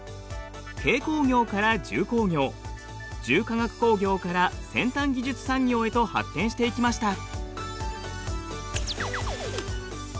軽工業から重工業重化学工業から先端技術産業へと発展していきました。